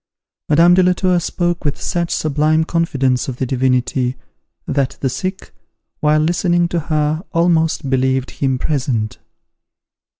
Madame de la Tour spoke with such sublime confidence of the Divinity, that the sick, while listening to her, almost believed him present.